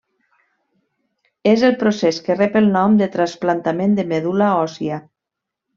És el procés que rep el nom de trasplantament de medul·la òssia.